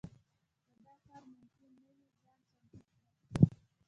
که دا کار ممکن نه وي ځان چمتو کړي.